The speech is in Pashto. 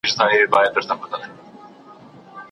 ویاړ سرچینې دي. له دې جملې څخه مولانا